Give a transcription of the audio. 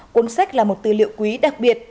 cuốn sách là một tư liệu quý đặc biệt